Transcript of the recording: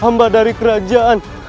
amba dari kerajaan